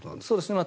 そうです。